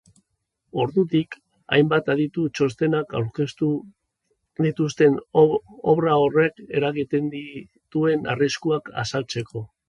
Ordutik, hainbat adituk txostenak aurkeztu dituzte obra horrek eragiten dituen arriskuak azaltzeko.